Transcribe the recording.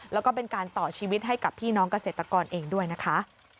แล้วก็เป็นการต่อชีวิตให้กับพี่น้องเกษตรกรเองด้วยนะคะ